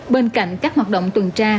bên cạnh các hoạt động tuần tra